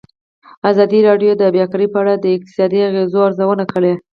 ازادي راډیو د بیکاري په اړه د اقتصادي اغېزو ارزونه کړې.